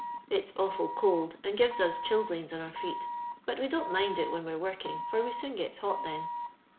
It's awfol cold, and gives us chil blains on our fbet ; but we don't mind it when we're working, for we soon gets hot then.